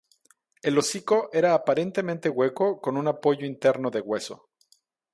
El hocico era aparentemente hueco, con un apoyo interno de hueso.